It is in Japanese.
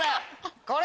これ。